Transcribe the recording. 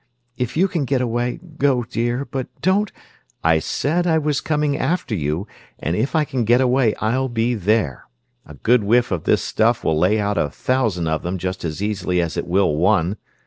If you can get away, go, dear, but don't...." "I said I was coming after you, and if I can get away I'll be there. A good whiff of this stuff will lay out a thousand of them just as easily as it will one.